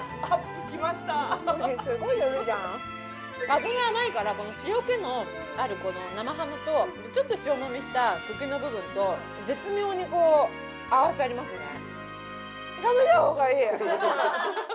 かぶが甘いから、塩けのある生ハムとちょっと塩もみした茎の部分と絶妙に合わさりますね。